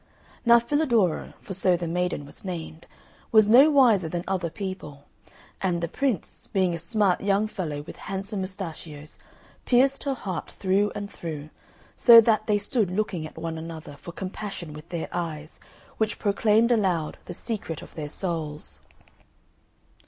Now Filadoro (for so the maiden was named) was no wiser than other people; and the Prince, being a smart young fellow with handsome moustachios, pierced her heart through and through, so that they stood looking at one another for compassion with their eyes, which proclaimed aloud the secret of their souls.